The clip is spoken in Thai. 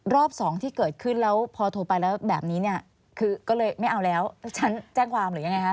รอบสองที่เกิดขึ้นแล้วพอโทรไปแล้วแบบนี้เนี่ยคือก็เลยไม่เอาแล้วฉันแจ้งความหรือยังไงคะ